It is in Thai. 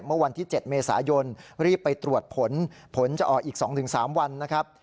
เมื่อวันที่๗เมษายนรีบไปตรวจผลผลจะออกอีก๒๓วันนะครับ